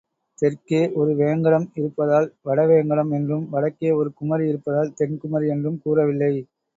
தெற்கே ஒரு வேங்கடம் இருப்பதால் வடவேங்கடம் என்றும், வடக்கே ஒரு குமரி இருப்பதால் தென்குமரி என்றும் கூறவில்லை.